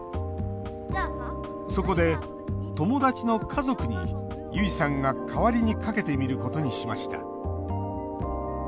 そこで友達の家族に結衣さんが代わりにかけてみることにしました。